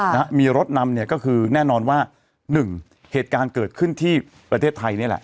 นะฮะมีรถนำเนี่ยก็คือแน่นอนว่าหนึ่งเหตุการณ์เกิดขึ้นที่ประเทศไทยนี่แหละ